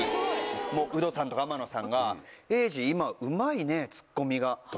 ウドさんとか天野さんが「瑛士今うまいねツッコミが」とか。